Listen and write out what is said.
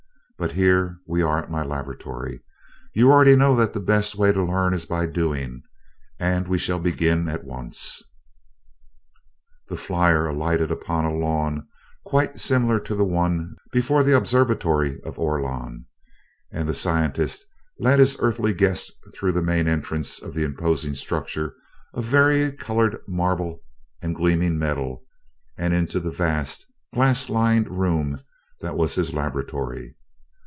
But here we are at my laboratory. You already know that the best way to learn is by doing, and we shall begin at once." The flier alighted upon a lawn quite similar to the one before the observatory of Orlon, and the scientist led his Earthly guest through the main entrance of the imposing structure of vari colored marble and gleaming metal and into the vast, glass lined room that was his laboratory.